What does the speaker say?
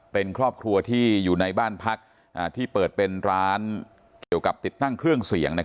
เป็นครอบครัวที่อยู่ในบ้านพักที่เปิดเป็นร้านเกี่ยวกับติดตั้งเครื่องเสียง